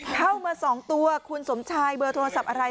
เข้ามา๒ตัวคุณสมชายเบอร์โทรศัพท์อะไร